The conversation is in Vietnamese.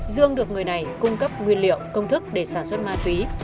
dương được người này cung cấp nguyên liệu công thức để sản xuất ma túy